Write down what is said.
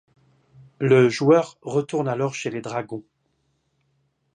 Le joueur retourne alors chez les Dragons.